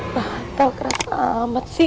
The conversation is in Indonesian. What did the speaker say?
bantal keras amat sih